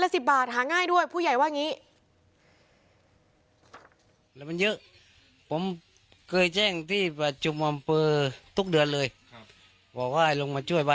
เดี๋ยวบ้านมันเยอะแล้วมันถูกมันเลยทำให้บอยเขาเป็นยังไงครับ